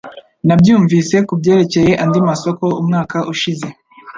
Nabyumvise kubyerekeye andi masoko umwaka ushize